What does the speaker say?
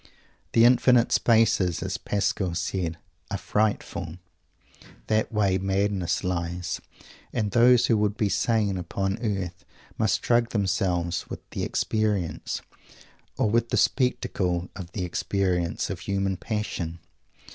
The infinite spaces, as Pascal said, are "frightful." That way madness lies. And those who would be sane upon earth must drug themselves with the experience, or with the spectacle of the experience, of human passion.